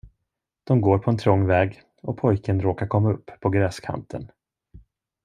De går på en trång väg, och pojken råkar komma upp på gräskanten.